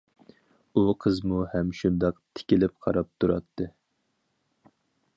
ئۇ قىزمۇ ھەم شۇنداق تىكىلىپ قاراپ تۇراتتى.